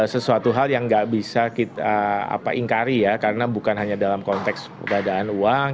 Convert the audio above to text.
sesuatu hal yang nggak bisa kita ingkari ya karena bukan hanya dalam konteks pengadaan uang